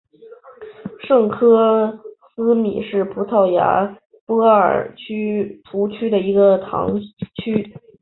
圣科斯米是葡萄牙波尔图区的一个堂区。